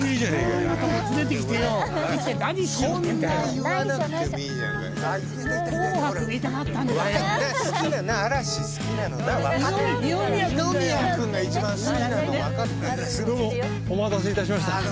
どうもお待たせいたしました。